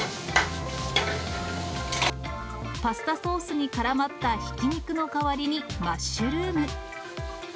パスタソースにからまったひき肉の代わりにマッシュルーム。